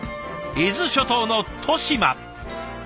伊豆諸島の利島。